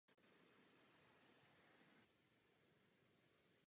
Po většinu doby své existence byl významným kulturním centrem a poutním místem.